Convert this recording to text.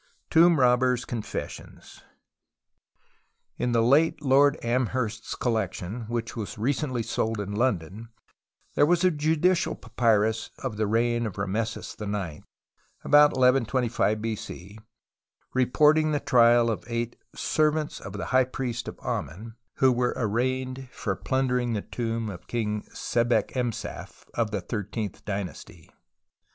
7 b mb i 'obbei 's' Co nfcssious In the late Lord Amherst's collection, which was recently sold in London, there was a judicial papyrus of the reign of llameses IX (about 1125 B.C.), reporting the trial of eight "servants of the High Priest of Amen," who were arraigned for plundering the tomb of King Sebekemsaf of the thirteenth dynasty.